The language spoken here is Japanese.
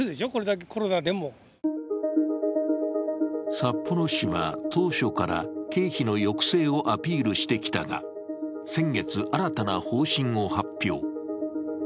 札幌市は、当初から経費の抑制をアピールしてきたが、先月、新たな方針を発表。